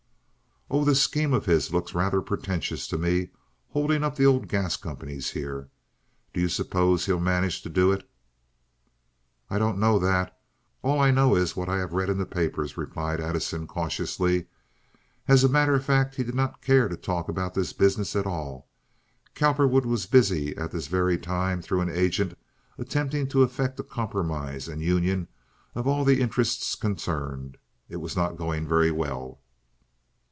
"Oh, this scheme of his looks rather pretentious to me—holding up the old gas companies here. Do you suppose he'll manage to do it?" "I don't know that. All I know is what I have read in the papers," replied Addison, cautiously. As a matter of fact, he did not care to talk about this business at all. Cowperwood was busy at this very time, through an agent, attempting to effect a compromise and union of all interests concerned. It was not going very well.